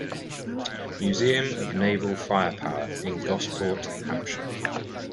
Museum of Naval Firepower in Gosport, Hampshire.